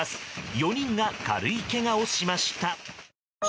４人が軽いけがをしました。